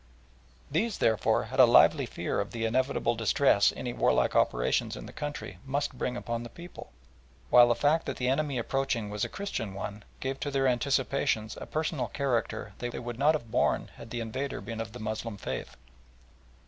These, therefore, had a lively fear of the inevitable distress any warlike operations in the country must bring upon the people, while the fact that the enemy approaching was a Christian one, gave to their anticipations a personal character they would not have borne had the invader been of the Moslem faith.